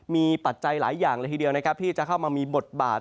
มีปัจจัยหลายอย่างเลยทีเดียวนะครับที่จะเข้ามามีบทบาท